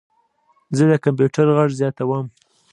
زه د کمپیوټر غږ زیاتوم.